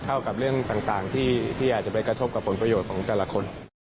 เท่ากับเรื่องต่างที่อาจจะไปกระทบกับผลประโยชน์ของแต่ละคน